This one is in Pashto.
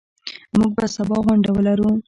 موږ به سبا غونډه ولرو.